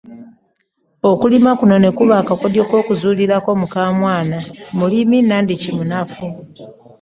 Okulima kuno no bwe kutyo ne kaba akakodyo ak’okuzuulirako mukaamwana mulima nandiki manafu?